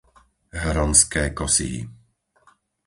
Hronské Kosihy